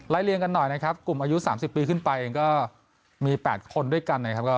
ไล่เลี้ยงกันหน่อยนะครับกลุ่มอายุ๓๐ปีขึ้นไปก็มี๘คนด้วยกัน